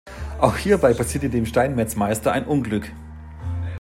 Auch hierbei passierte dem Steinmetzmeister ein Unglück.